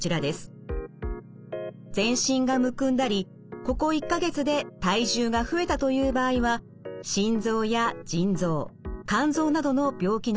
全身がむくんだりここ１か月で体重が増えたという場合は心臓や腎臓肝臓などの病気の疑いがあります。